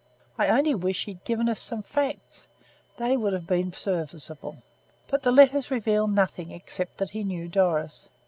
I only wish he'd given us some facts; they would have been serviceable. But the letters reveal nothing except that he knew Doris.